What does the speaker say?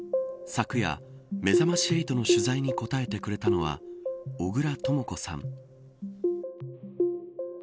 昨夜、めざまし８の取材に答えてくれたのは小倉とも子さん。